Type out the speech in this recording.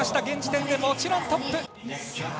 現時点でもちろんトップ。